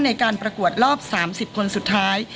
ในการประกวดรอบ๓๐คนสุดท้าย